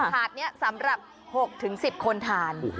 ถาดนี้สำหรับ๖๑๐คนทาน